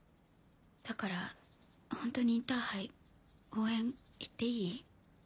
だからホントにインターハイ応援行っていい？